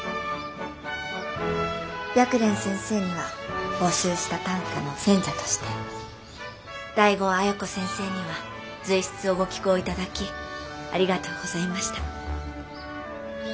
白蓮先生には募集した短歌の選者として醍醐亜矢子先生には随筆をご寄稿頂きありがとうございました。